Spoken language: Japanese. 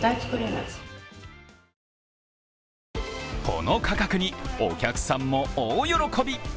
この価格にお客さんも大喜び。